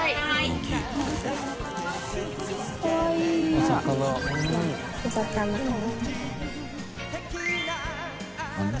「おさかな」